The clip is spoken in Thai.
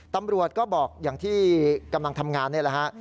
ตำรวจก็บอกอย่างที่กำลังทำงานนี่แหละฮะ